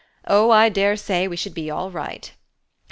"Oh I dare say we should be all right!"